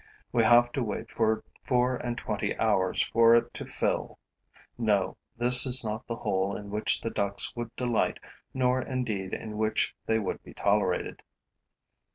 We have to wait for four and twenty hours for it to fill. No, this is not the hole in which the ducks would delight nor indeed in which they would be tolerated.